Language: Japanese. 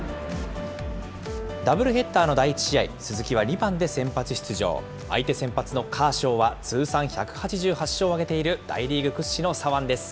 ダブルヘッダーの第１試合、鈴木は２番で先発出場、相手先発のカーショーは、通算１８８勝を挙げている大リーグ屈指の左腕です。